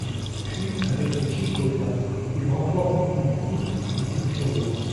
Puis, avec le GÍ Gøta, il remporte une coupes des îles Féroé.